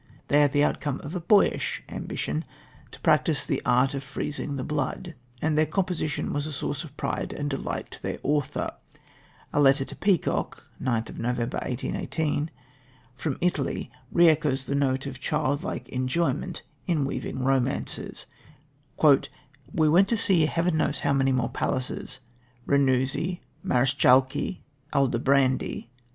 They are the outcome of a boyish ambition to practise the art of freezing the blood, and their composition was a source of pride and delight to their author. A letter to Peacock (Nov. 9, 1818) from Italy re echoes the note of child like enjoyment in weaving romances: "We went to see heaven knows how many more palaces Ranuzzi, Marriscalchi, Aldobrandi.